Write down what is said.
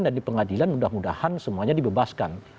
dan di pengadilan mudah mudahan semuanya dibebaskan